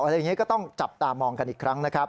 อะไรอย่างนี้ก็ต้องจับตามองกันอีกครั้งนะครับ